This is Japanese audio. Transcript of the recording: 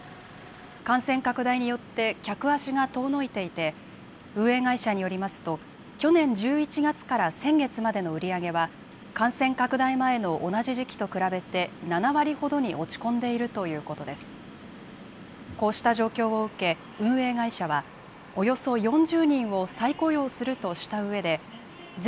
感染拡大によって客足が遠のいていて、運営会社によりますと、去年１１月から先月までの売り上げは、感染拡大前の同じ時期と比べて７割ほどに落ち込んでいるということです。